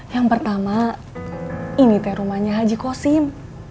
yang pertama ini teh rumahnya haji kho sim